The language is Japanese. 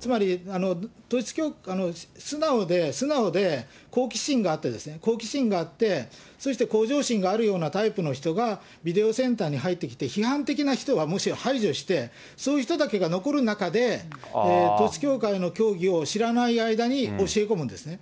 つまり、素直で好奇心があってですね、そして向上心があるようなタイプの人が、ビデオセンターに入ってきて批判的な人はむしろ排除して、そういう人だけが残る中で、統一教会の教義を知らない間に教え込むんですね。